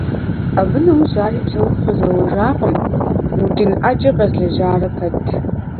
Абы нэужь ари псэуху къызэуэжакъым, удын Ӏэджэ къэзлэжьарэ пэт.